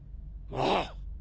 ああ。